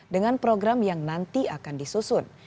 dengan program yang nanti akan disusun